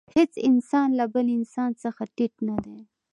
هېڅ انسان له بل انسان څخه ټیټ نه دی.